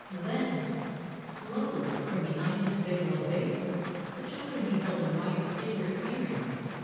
Then, slowly, from behind this veil of vapour, the children beheld a mighty figure appearing.